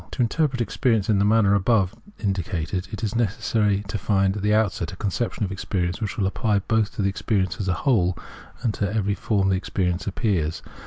I To interpret experience in the manner above in dicated, it is necessary to find at the outset a conception of experience which will apply both to experience as a whole and to every form in which experience appears.